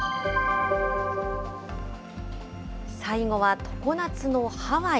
最後は常夏のハワイ。